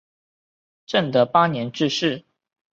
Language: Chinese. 正德八年致仕。